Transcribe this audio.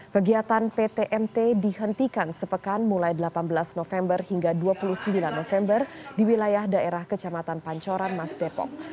kegiatan ptmt dihentikan sepekan mulai delapan belas november hingga dua puluh sembilan november di wilayah daerah kecamatan pancoran mas depok